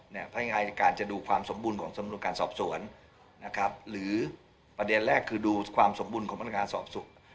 พนักงานอายการจะดูความสมบูรณ์ของสำนวนการสอบสวนนะครับหรือประเด็นแรกคือดูความสมบูรณ์ของพนักงานสอบสวน